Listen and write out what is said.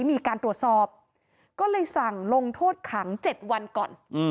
มีการตรวจสอบก็เลยสั่งลงโทษขัง๗วันก่อน